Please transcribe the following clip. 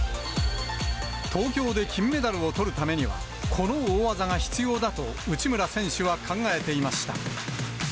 東京で金メダルをとるためには、この大技が必要だと、内村選手は考えていました。